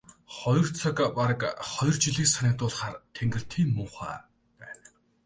Хоёр цаг бараг хоёр жилийг санагдуулахаар тэнгэр тийм муухай байна.